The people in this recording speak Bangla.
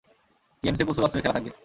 গেমসে প্রচুর অস্ত্রের খেলা থাকবে!